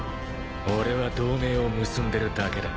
俺は同盟を結んでるだけだ。